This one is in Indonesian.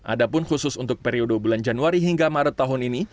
ada pun khusus untuk periode bulan januari hingga maret tahun ini